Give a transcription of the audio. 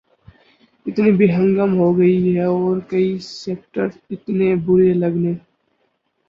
اتنی بے ہنگم ہو گئی ہے اور کئی سیکٹرز اتنے برے لگنے